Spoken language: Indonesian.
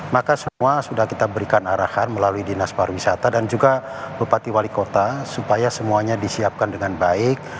maka semua sudah kita berikan arahan melalui dinas pariwisata dan juga bupati wali kota supaya semuanya disiapkan dengan baik